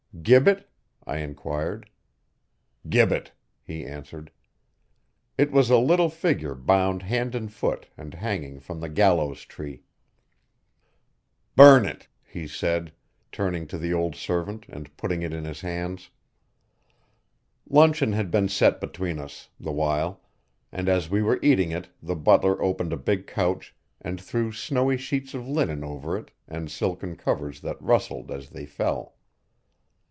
'Gibbet?' I enquired. 'Gibbet,' he answered. It was a little figure bound hand and foot and hanging from the gallows tree. 'Burn it!' he said, turning to the old servant and putting it in his hands. Luncheon had been set between us, the while, and as we were eating it the butler opened a big couch and threw snowy sheets of linen over it and silken covers that rustled as they fell.